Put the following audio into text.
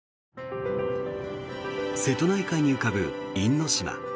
瀬戸内海に浮かぶ因島。